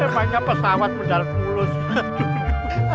makanya pesawat mendarat bulus aduh